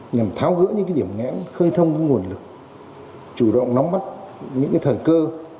nhằm tháo gỡ những điểm nghẽn khơi thông nguồn lực chủ động nóng bắt những thời cơ